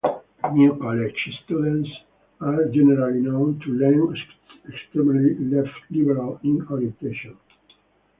New College students are generally known to lean extremely left-liberal in orientation.